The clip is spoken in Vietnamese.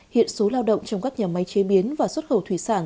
hiện số lao động trong các nhà máy chế biến và xuất khẩu thủy sản